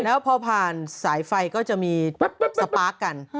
แล้วพอผ่านสายไฟก็จะมีสปาร์คกัน